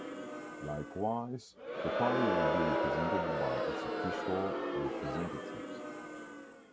Likewise, the party would be represented by its official representatives.